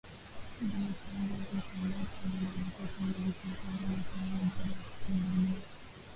dou tanja aliekamatwa nyumbani kwake mwezi februari mwaka huu baada ya kupinduliwa